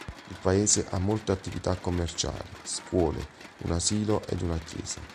Il paese ha molte attività commerciali, scuole, un asilo ed una chiesa.